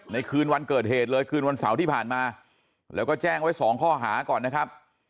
คืนวันเกิดเหตุเลยคืนวันเสาร์ที่ผ่านมาแล้วก็แจ้งไว้สองข้อหาก่อนนะครับ